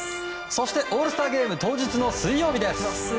そしてオールスターゲーム当日の水曜日です。